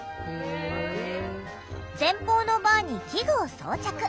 前方のバーに器具を装着。